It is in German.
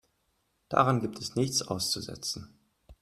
Daran gibt es nichts auszusetzen.